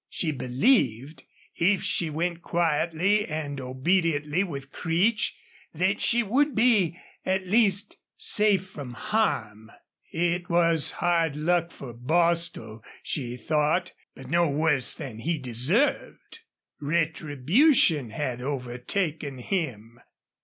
She believed, if she went quietly and obediently with Creech, that she would be, at least, safe from harm. It was hard luck for Bostil, she thought, but no worse than he deserved. Retribution had overtaken him.